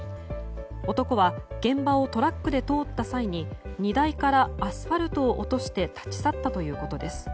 男は現場をトラックで通った際に荷台からアスファルトを落として立ち去ったということです。